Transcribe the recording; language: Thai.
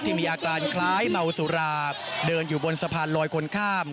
มีอาการคล้ายเมาสุราเดินอยู่บนสะพานลอยคนข้าม